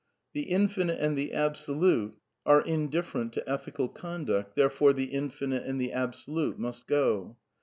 The Infinite and the Absolute are indifferent to ethical conduct, therefore the Infinite and the Absolute must go.